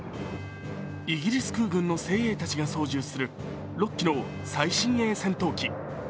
イギリス空軍の精鋭たちが操縦する６機の最新鋭戦闘機。